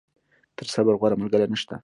تر صبر، غوره ملګری نشته.